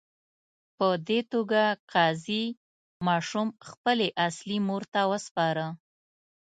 په دې توګه قاضي ماشوم خپلې اصلي مور ته وسپاره.